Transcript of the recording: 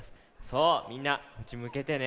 そうみんなこっちむけてね。